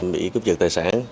bị cướp giật tài sản